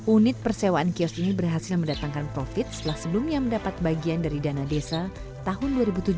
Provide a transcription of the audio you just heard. unit persewaan kios ini berhasil mendatangkan profit setelah sebelumnya mendapat bagian dari dana desa tahun dua ribu tujuh belas